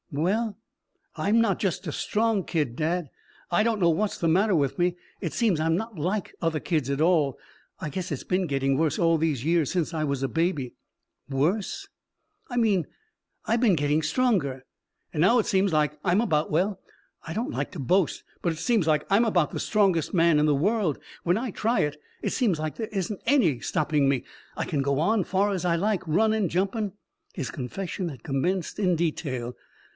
"Well I'm not just a strong kid, dad. I don't know what's the matter with me. It seems I'm not like other kids at all. I guess it's been gettin' worse all these years since I was a baby." "Worse?" "I mean I been gettin' stronger. An' now it seems like I'm about well I don't like to boast but it seems like I'm about the strongest man in the world. When I try it, it seems like there isn't any stopping me. I can go on far as I like. Runnin'. Jumpin'." His confession had commenced in detail.